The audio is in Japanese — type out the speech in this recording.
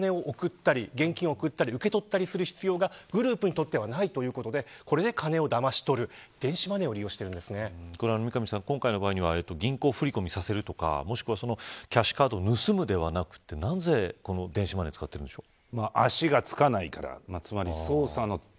実際にお金を送ったり現金を受け取ったりする必要がグループにとってはないということでこれで金をだまし取る電子マネーを今回の場合は銀行振り込みさせるとかキャッシュカードを盗むではなくなぜ、この電子マネーを使っているんでしょうか。